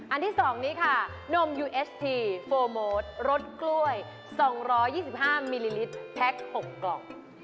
ที่๒นี้ค่ะนมยูเอสทีโฟร์โมทรสกล้วย๒๒๕มิลลิลิตรแพ็ค๖กล่อง